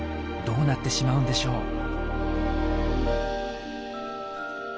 どうなってしまうんでしょう？